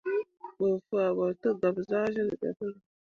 Bə faa ɓo tə gab zahsyil ɓe pəli.